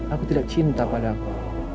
aku tidak cinta padaku